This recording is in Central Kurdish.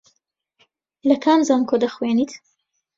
لە کام زانکۆ دەخوێنیت؟